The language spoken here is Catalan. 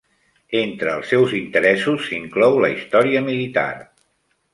Entre els seus interessos s'inclou la història militar.